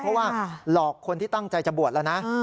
เพราะว่าหลอกคนที่ตั้งใจจะบวชแล้วนะ